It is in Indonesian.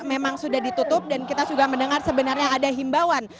memang sudah ditutup dan kita sudah mendengar sebenarnya ada himbauan